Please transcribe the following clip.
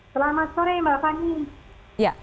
selamat sore mbak fani